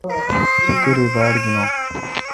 سو کاری باڑ گینون۔